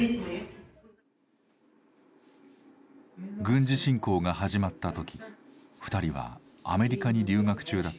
軍事侵攻が始まったとき２人は、アメリカに留学中だった。